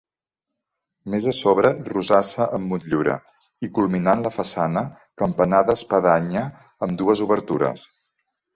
Més a sobre, rosassa amb motllura, i culminant la façana, campanar d'espadanya amb dues obertures.